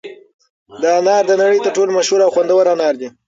دا انار د نړۍ تر ټولو مشهور او خوندور انار دي.